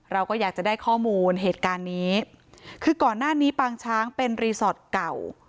เราก็อยากจะได้ข้อมูลเหตุการณ์นี้คือก่อนหน้านี้ปางช้างเป็นรีสอร์ทเก่า